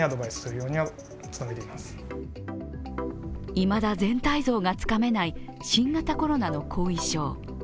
いまだ全体像がつかめない新型コロナの後遺症。